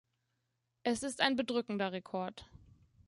Es ist ein bedrückender Rekord.